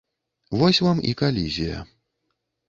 Вось вам і калізія.